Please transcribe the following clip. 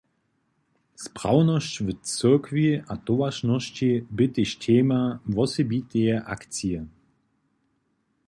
Sprawnosć w cyrkwi a towaršnosći bě tež tema wosebiteje akcije.